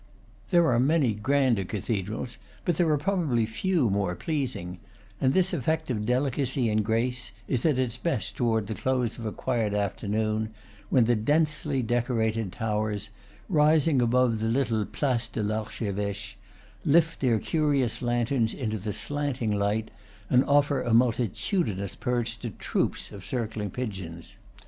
There are many grander cathedrals, but there are probably few more pleasing; and this effect of delicacy and grace is at its best toward the close of a quiet afternoon, when the densely decorated towers, rising above the little Place de l'Archeveche, lift their curious lanterns into the slanting light, and offer a multitudinous perch to troops of circling pigeons.